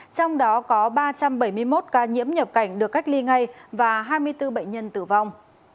trong đó có ba trăm bảy mươi một ca nhiễm nhập cảnh được cách ly ngay và hai mươi bốn bệnh nhân tử vong